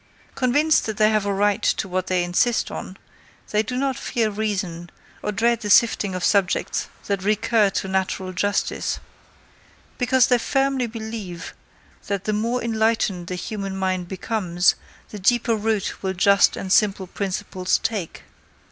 Convinced that they have a right to what they insist on, they do not fear reason, or dread the sifting of subjects that recur to natural justice: because they firmly believe, that the more enlightened the human mind becomes, the deeper root will just and simple principles take.